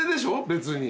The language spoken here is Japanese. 別に。